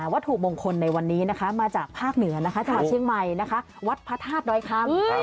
วัตถุบงคลในวันนี้มาจากภาคนือจมเชียงใหม่วัตถาธน์น้อยค้ำ